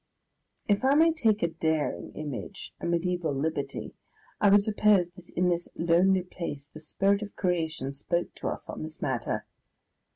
If I may take a daring image, a mediaeval liberty, I would suppose that in this lonely place the Spirit of Creation spoke to us on this matter.